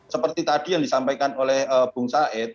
seperti tadi yang disampaikan oleh bung said